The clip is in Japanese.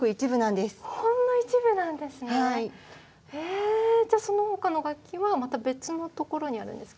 えじゃあそのほかの楽器はまた別のところにあるんですか？